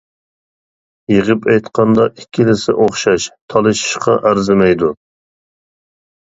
يىغىپ ئېيتقاندا ئىككىلىسى ئوخشاش، تالىشىشقا ئەرزىمەيدۇ.